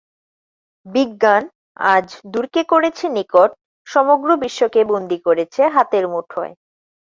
বিজ্ঞান আজ দূরকে করেছে নিকট, সমগ্র বিশ্বকে বন্দী করেছে হাতের মুঠোয়।